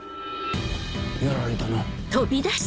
やられたな。